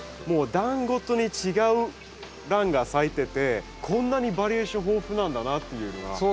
もう段ごとに違うランが咲いててこんなにバリエーション豊富なんだなっていうのが。